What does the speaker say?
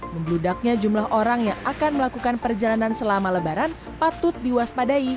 membludaknya jumlah orang yang akan melakukan perjalanan selama lebaran patut diwaspadai